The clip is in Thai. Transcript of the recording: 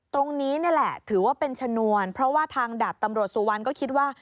ตรงนี้นี่แหละถือว่าเป็นชนวนเพราะว่าทางดาบตำรวจสุวรรณก็คิดว่า